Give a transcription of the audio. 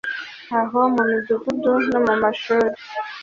aho mu midugudu no mu mashuri